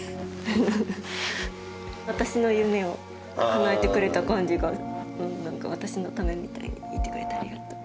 私の夢をかなえてくれた感じが私のためみたいに言ってくれてありがとう。